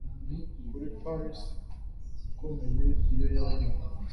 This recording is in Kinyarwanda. Kuri paris ikomeye iyo yabonaga